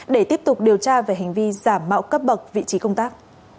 để tiếp tục điều tra về hành vi giảm bạo cấp bậc vị trí công tác